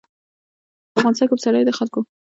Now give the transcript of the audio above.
په افغانستان کې پسرلی د خلکو د اعتقاداتو سره تړاو لري.